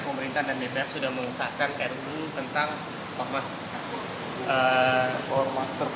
pak anies sudah mengusahakan perdu tentang omas